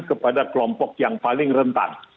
kepada kelompok yang paling rentan